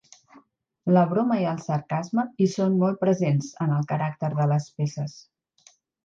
La broma i el sarcasme hi són molt presents en el caràcter de les peces.